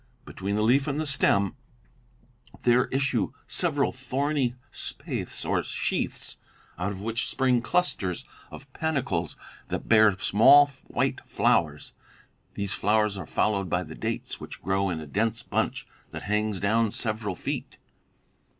Between the leaf and the stem there issue several horny spathes, or sheaths, out of which spring clusters of panicles that bear small white flowers,' These flowers are followed by the dates, which grow in a dense bunch that hangs down several feet."